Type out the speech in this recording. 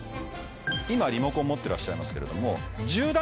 今リモコン持ってらっしゃいますけれども。